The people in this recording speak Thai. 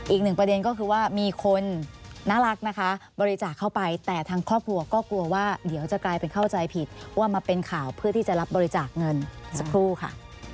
อีกหนึ่งประเด็นก็คือว่ามีคนน่ารักนะคะบริจาคเข้าไปแต่ทางครอบครัวก็กลัวว่าเดี๋ยวจะกลายเป็นเข้าใจผิดว่ามาเป็นข่าวเพื่อที่จะรับบริจาคเงินสักครู่ค่ะ